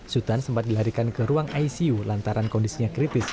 sultan sempat dilarikan ke ruang icu lantaran kondisinya kritis